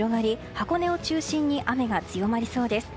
箱根を中心に雨が強まりそうです。